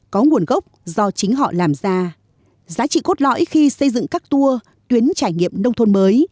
có nguồn gốc do chính họ làm ra giá trị cốt lõi khi xây dựng các tour tuyến trải nghiệm nông thôn mới